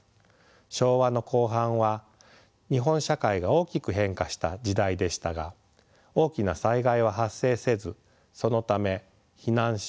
昭和の後半は日本社会が大きく変化した時代でしたが大きな災害は発生せずそのため避難所